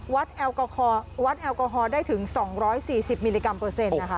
วัดแอลกอฮอลได้ถึง๒๔๐มิลลิกรัมเปอร์เซ็นต์นะคะ